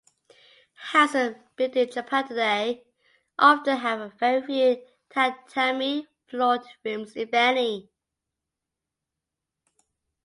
Houses built in Japan today often have very few tatami-floored rooms, if any.